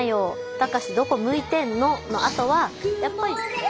「タカシどこ向いてんの」のあとはやっぱり。